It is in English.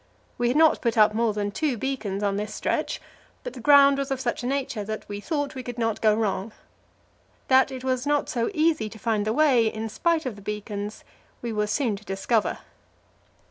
We had not put up more than two beacons on this stretch, but the ground was of such a nature that we thought we could not go wrong. That it was not so easy to find the way, in spite of the beacons, we were soon to discover.